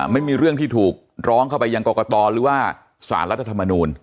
ไม่มีเรื่องที่ถูกร้องเข้าไปยังกรกตหรือว่าสารรัฐธรรมนูล